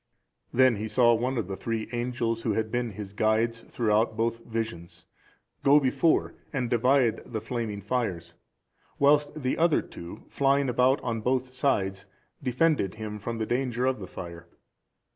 Then he saw one of the three angels, who had been his guides throughout both visions, go before and divide the flaming fires, whilst the other two, flying about on both sides, defended him from the danger of the fire.